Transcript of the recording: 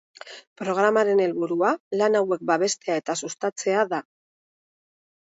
Programaren helburua lan hauek babestea eta sustatzea da.